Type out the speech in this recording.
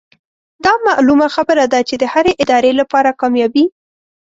دا معلومه خبره ده چې د هرې ادارې لپاره کاميابي